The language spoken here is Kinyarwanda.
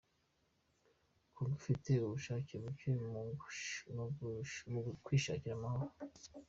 Congo ifite ubushake buke mu kwishakira amahoro